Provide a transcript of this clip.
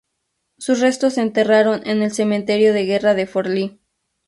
Sus restos se enterraron en el cementerio de guerra de Forli.